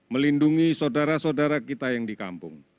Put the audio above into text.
melindungi saudara saudara kita yang di kampung